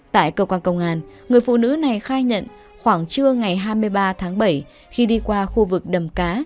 tại cơ quan công an người phụ nữ này khai nhận khoảng trưa ngày hai mươi ba tháng bảy khi đi qua khu vực đầm cá